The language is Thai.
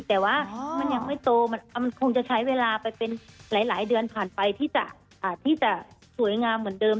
แต่ว่ามันยังไม่โตมันคงจะใช้เวลาไปเป็นหลายเดือนผ่านไปที่จะสวยงามเหมือนเดิม